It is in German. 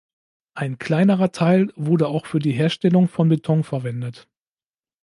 Ein kleinerer Teil wurde auch für die Herstellung von Beton verwendet.